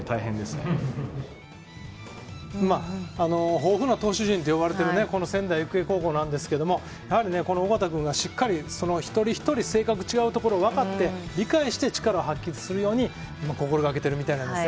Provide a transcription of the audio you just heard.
豊富な投手陣と呼ばれている仙台育英高校なんですけれども、尾形君がしっかり一人一人性格が違うところを分かって理解して力を発揮するように心がけているみたいです。